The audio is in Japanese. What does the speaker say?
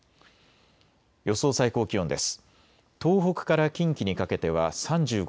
予想最高気温です。